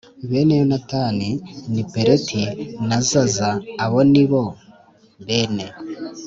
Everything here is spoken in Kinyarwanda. Bene Yonatani ni Peleti na Zaza Abo ni bo bene